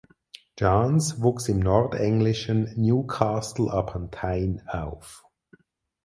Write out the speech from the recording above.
Johns wuchs im nordenglischen Newcastle upon Tyne auf.